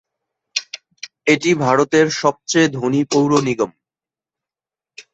এটি ভারতের সবচেয়ে ধনী পৌর নিগম।